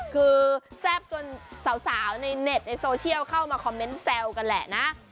คือแซ่บจนสาวในเน็ตในโซเชียลเข้ามาคอมเมนต์แซวกันแหละนะ